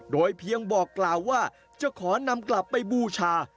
โดยเพียงบอกกล่าวว่าจะขอนำกลับไปบูชา